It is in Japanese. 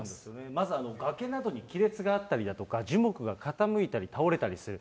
まず崖などに亀裂があったりだとか、樹木が傾いたり倒れたりする。